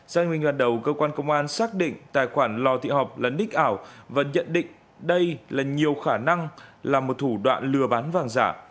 giang minh đoàn đầu cơ quan công an xác định tài khoản lò thị học là ních ảo và nhận định đây là nhiều khả năng làm một thủ đoạn lừa bán vàng giả